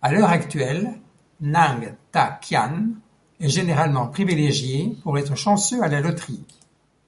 A l'heure actuelle, Nang Ta-Khian est généralement privilégié pour être chanceux à la loterie.